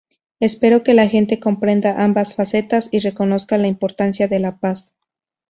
Espero que la gente comprenda ambas facetas y reconozca la importancia de la paz".